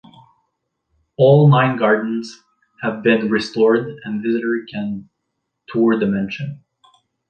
All nine gardens have been restored and visitors can tour the mansion.